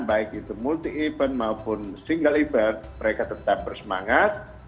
baik itu multi event maupun single event mereka tetap bersemangat